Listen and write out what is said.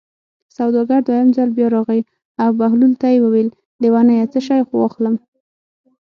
سوداګر دویم ځل بیا راغی او بهلول ته یې وویل: لېونیه څه شی واخلم.